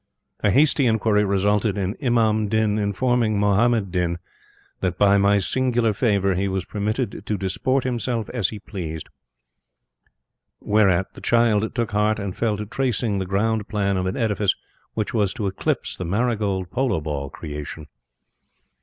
A hasty inquiry resulted in Imam Din informing Muhammad Din that by my singular favor he was permitted to disport himself as he pleased. Whereat the child took heart and fell to tracing the ground plan of an edifice which was to eclipse the marigold polo ball creation.